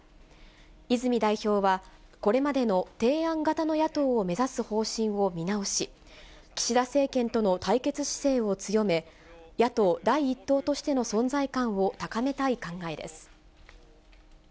泉代表は、これまでの提案型の野党を目指す方針を見直し、岸田政権との対決姿勢を強め、野党第一党としての存在感を高めたい考えです。